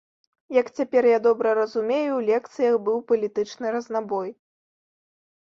Як цяпер я добра разумею, у лекцыях быў палітычны разнабой.